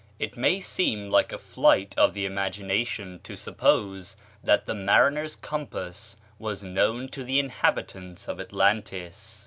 It may seem like a flight of the imagination to suppose that the mariner's compass was known to the inhabitants of Atlantis.